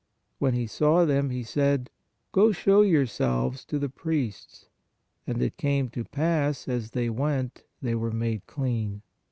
When He saw them, He said: Go, show yourselves to the priests. And it came to pass, as they went, they were made clean.